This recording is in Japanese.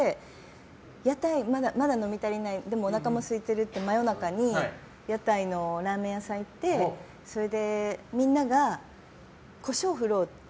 まだ飲み足りないでも、おなかもすいてるって夜中に屋台のラーメン屋さんに行ってみんながコショウを振ろうと。